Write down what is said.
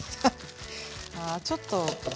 あちょっともう。